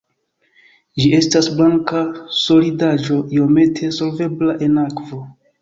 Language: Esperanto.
Ĝi estas blanka solidaĵo iomete solvebla en akvo.